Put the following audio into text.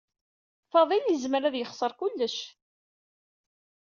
Faḍil yezmer ad yexser kullec.